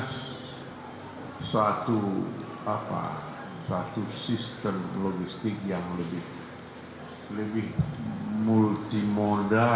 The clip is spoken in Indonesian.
suatu sistem logistik yang lebih multimodal